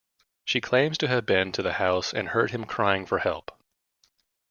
She claims to have been to the house and heard him crying for help.